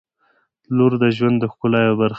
• لور د ژوند د ښکلا یوه برخه ده.